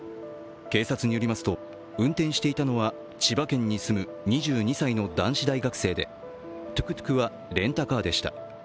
警察によりますと、運転していたのは千葉県に住む２２歳の男子大学生でトゥクトゥクはレンタカーでした。